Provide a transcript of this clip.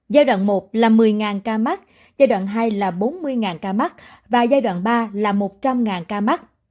giai đoạn một là một mươi ca mắc giai đoạn hai là bốn mươi ca mắc và giai đoạn ba là một trăm linh ca mắc